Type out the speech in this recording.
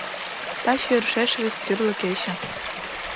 Таче йӧршеш вес тӱрлӧ кече.